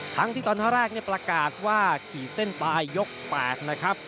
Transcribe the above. ทั้งที่ตอนแรกประกาศว่าขีดเส้นตายยก๘นะครับ